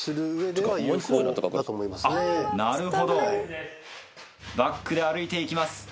なるほどバックで歩いて行きます。